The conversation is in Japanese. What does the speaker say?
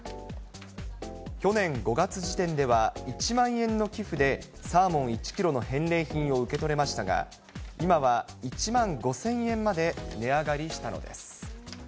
去年５月時点では、１万円の寄付でサーモン１キロの返礼品を受け取れましたが、今は１万５０００円まで値上がりしたのです。